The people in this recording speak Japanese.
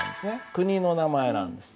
国の名前なんです。